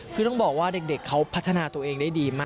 คือต้องบอกว่าเด็กเขาพัฒนาตัวเองได้ดีมาก